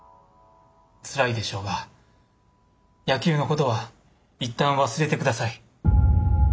つらいでしょうが野球のことは一旦忘れて下さい。